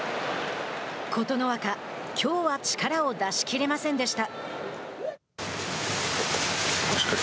琴ノ若きょうは力を出しきれませんでした。